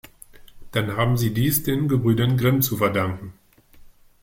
Dann haben Sie dies den Gebrüdern Grimm zu verdanken.